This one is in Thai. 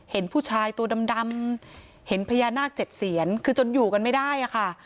เห็นผู้ชายตัวดำเห็นพญานาคเจ็ดเซียนคือจนอยู่กันไม่ได้อะค่ะ